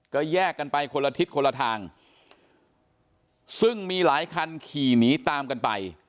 ก็แยกกันไปคนละทิศคนละทางซึ่งมีหลายคันขี่หนีตามกันไป